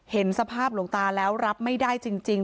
เห็นสภาพหลวงตาแล้วรับไม่ได้จริง